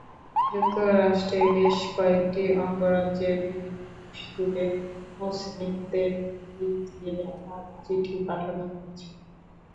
যুক্তরাষ্ট্রে বেশ কয়েকটি অঙ্গরাজ্যের বিভিন্ন মসজিদে মুসলিমদের হুমকি দিয়ে আরও চিঠি পাঠানো হয়েছে।